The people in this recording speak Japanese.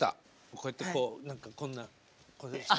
こうやってこう何かこんなこんなして。